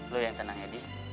lu yang tenang edi